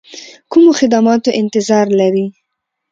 کومو خدماتو انتظار لري.